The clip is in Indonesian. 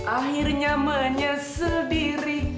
akhirnya menyesal diri